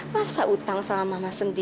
masa ikut satu satu hutan mama sendiri